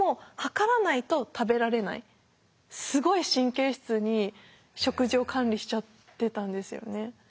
すごい神経質に食事を管理しちゃってたんですよね。